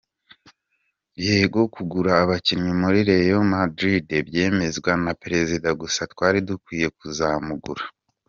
Yego kugura abakinnyi muri Real Madrid byemezwa na perezida gusa twari dukwiye kuzamugura.